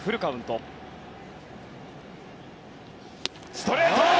ストレート！